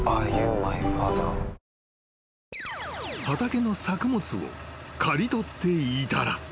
［畑の作物を刈り取っていたら］